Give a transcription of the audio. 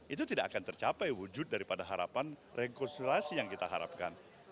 itu tidak akan tercapai wujud daripada harapan rekonsiliasi yang kita harapkan